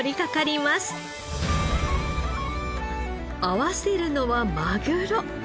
合わせるのはマグロ。